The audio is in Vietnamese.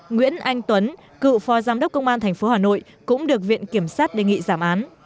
nguyễn anh tuấn cựu phó giám đốc công an tp hà nội cũng được viện kiểm sát đề nghị giảm án